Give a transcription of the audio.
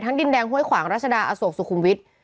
ดินแดงห้วยขวางรัชดาอโศกสุขุมวิทย์